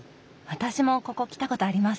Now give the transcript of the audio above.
私もここ来たことあります。